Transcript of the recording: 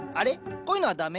こういうのは駄目？